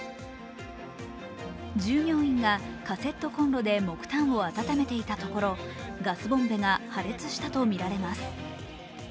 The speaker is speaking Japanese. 従業員がカセットこんろで木炭を温めていたところガスボンベが破裂したとみられます。